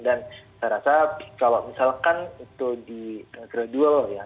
dan saya rasa kalau misalkan itu di gradual ya